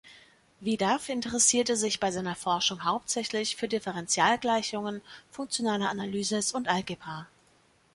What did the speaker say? Vidav interessierte sich bei seiner Forschung hauptsächlich für Differentialgleichungen, funktionale Analysis und Algebra.